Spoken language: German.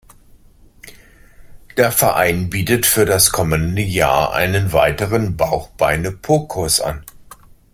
Der Verein bietet für das kommende Jahr einen weiteren Bauch-Beine-Po-Kurs an.